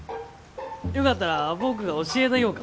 よかったら僕が教えたぎょうか。